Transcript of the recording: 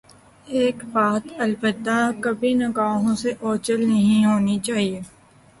ایک بات البتہ کبھی نگاہوں سے اوجھل نہیں ہونی چاہیے۔